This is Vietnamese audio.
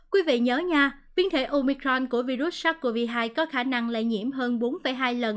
quý vị nhớ nha biến thể omicron của virus sars cov hai có khả năng lây nhiễm hơn bốn hai lần